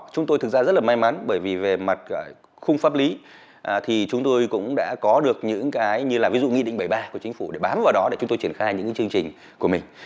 chúng tôi thực ra rất là may mắn bởi vì về mặt khung pháp lý thì chúng tôi cũng đã có được những cái như là ví dụ nghị định bảy mươi ba của chính phủ để bám vào đó để chúng tôi triển khai những chương trình của mình